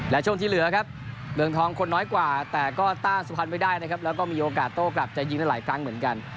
และช่วงที่เหลือครับเมืองทองคนน้อยกว่าแต่ก็ต้านสุพรรณไม่ได้นะครับแล้วก็มีโอกาสโต้กลับจะยิงได้หลายครั้งเหมือนกัน